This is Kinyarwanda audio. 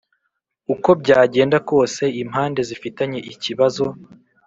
Uko byagenda kose impande zifitanye ikibazo